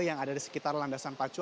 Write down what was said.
yang ada di sekitar landasan pacu